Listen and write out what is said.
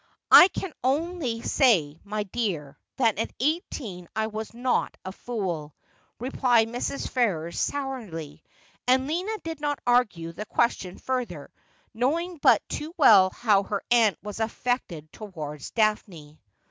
' I can only say, my dear, that at eighteen I was not a fool,' replied Mrs. Ferrers sourly ; and Lina did not argue the question further, knowing but too well how her aunt was aSected towards Daphne.